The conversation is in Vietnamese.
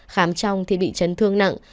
khám trong thì bị chấn thương nặng